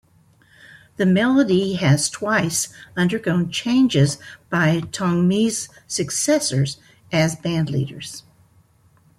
The melody has twice undergone changes by Tongmi's successors as band leaders.